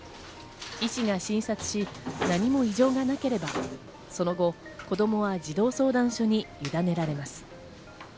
医師が診察し、何も異常がなければ、その後、子供は児童相談所にゆだねられます。